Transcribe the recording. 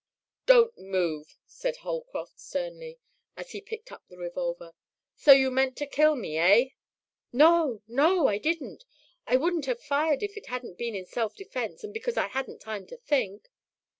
"Don't move!" said Holcroft sternly, and he picked up the revolver. "So you meant to kill me, eh?" "No, no! I didn't. I wouldn't have fired if it hadn't been in self defense and because I hadn't time to think."